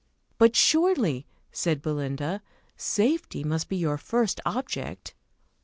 "But, surely," said Belinda, "safety must be your first object!"